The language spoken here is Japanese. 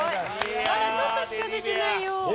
まだちょっとしか出てないよ。